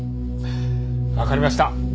わかりました。